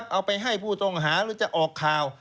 เอาไปให้ผู้ต้องหาหรือจะออกข่าว